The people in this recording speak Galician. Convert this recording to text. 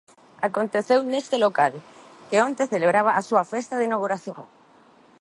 Aconteceu neste local que onte celebraba a súa festa de inauguración.